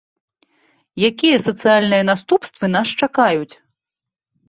Якія сацыяльныя наступствы нас чакаюць?